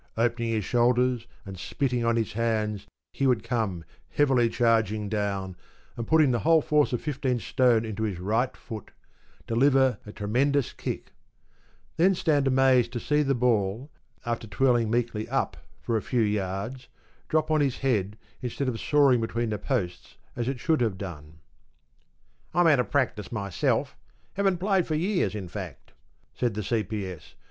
Opening his shoulders and spitting on his hands, he would come heavily charging down, and putting the whole force of fifteen stone into his right foot, deliver a tremendous kick; then stand amazed to see the ball, after twirling meekly up for a few yards, drop on his head instead of soaring between the posts as it should have done. ‘I'm out of practice myself—haven't played for years, in fact,’ said the C.P.S.